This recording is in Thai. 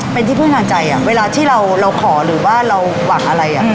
เป็นที่พึ่งทางใจเวลาที่เราขอหรือว่าเราหวังอะไร